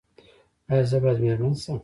ایا زه باید میرمن شم؟